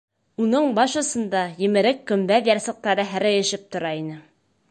Уның баш осонда емерек көмбәҙ ярсыҡтары һерәйешеп тора ине.